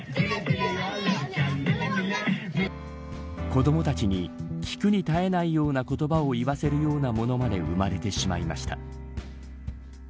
子どもたちに聞くに耐えないような言葉を言わせるようなものまで生まれてしまいました。